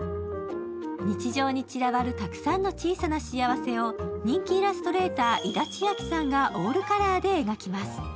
日常に散らばるたくさんの小さな幸せを、人気イラストレーター井田千秋さんがオールカラーで描きます。